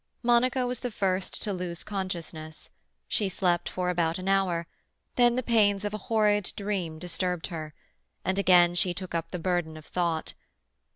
Monica was the first to lose consciousness; she slept for about an hour, then the pains of a horrid dream disturbed her, and again she took up the burden of thought.